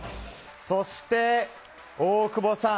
そして、大久保さん